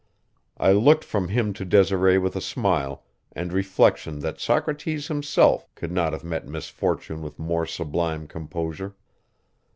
I looked from him to Desiree with a smile, and reflection that Socrates himself could not have met misfortune with more sublime composure.